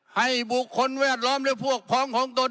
ให้บุคคลแวดล้อมและพวกพ้องของตน